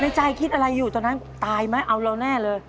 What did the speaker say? ใจคิดอะไรอยู่ตอนนั้นตายไหมเอาเราแน่เลย